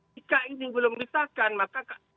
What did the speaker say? jika ini belum disahkan maka